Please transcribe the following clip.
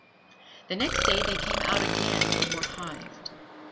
The next day they came out again, and were hived.